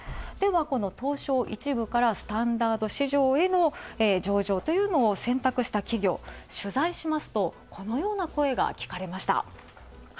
ではこの東証１部からスタンダード市場への上場というのを選択した企業、取材しますとこのような声が聞かれました。